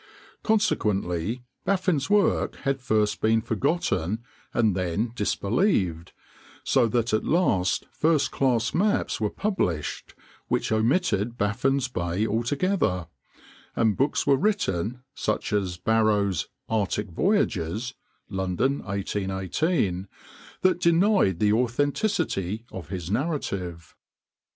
Consequently Baffin's work had first been forgotten and then disbelieved; so that at last first class maps were published which omitted Baffin's Bay altogether, and books were written, such as Barrows' "Arctic Voyages" (London, 1818), that denied the authenticity of his narrative.